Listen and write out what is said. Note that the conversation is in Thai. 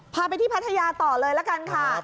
พาไปที่พัทยาต่อเลยละกันค่ะ